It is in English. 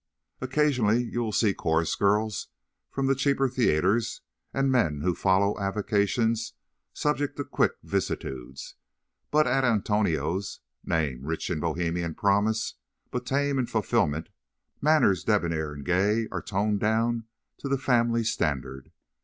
Occasionally you will see chorus girls from the cheaper theatres, and men who follow avocations subject to quick vicissitudes; but at Antonio's—name rich in Bohemian promise, but tame in fulfillment—manners debonair and gay are toned down to the "family" standard.